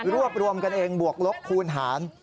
รวบรวมกันเองบวกลบคูณหาร